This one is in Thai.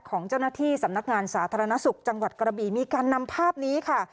ของเจ้าหน้าที่สำนักงานสาธารณสุขจังหวัดกระบีมีการนำภาพนี้ค่ะ